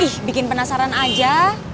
ih bikin penasaran aja